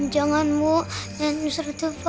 jangan mu jangan misalnya tiba